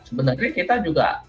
sebenarnya kita juga